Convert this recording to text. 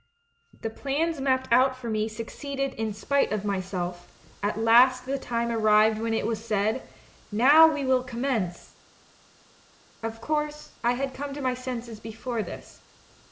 The plans mapped out for me succeeded in spite of myself; at last the time arrived when it was said, 'Xow we will commence !' "Of course, I had come to my senses before this.